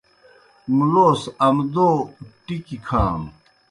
مُلوس امدَو ٹِکیْ کھانوْ۔